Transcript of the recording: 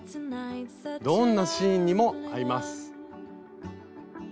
どんなシーンにも合います。